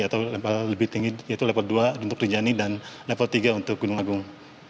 atau level lebih tinggi yaitu level dua untuk rinjani dan level tiga untuk gunung agung